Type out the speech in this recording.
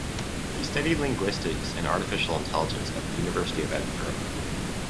He studied linguistics and artificial intelligence at the University of Edinburgh.